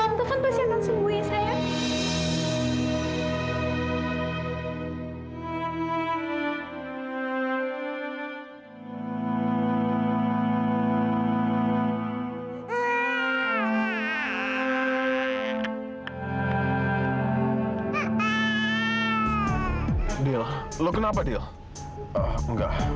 om tuhan pasti akan sembuh ya sayang